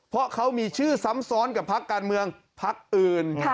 เพราะเขามีชื่อซ้ำซ้อนกับพักการเมืองพักอื่น